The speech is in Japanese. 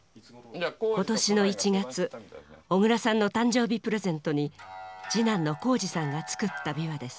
今年の１月小椋さんの誕生日プレゼントに次男の宏司さんが作った琵琶です。